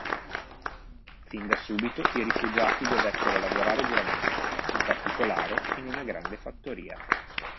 Fin da subito i rifugiati dovettero lavorare duramente, in particolare in una grande fattoria.